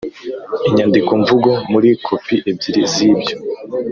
inyandikomvugo muri kopi ebyiri z ibyo